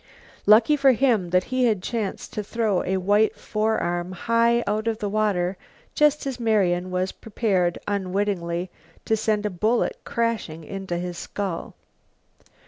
Lucky for him that he had chanced to throw a white forearm high out of the water just as Marian was prepared unwittingly to send a bullet crashing into his skull.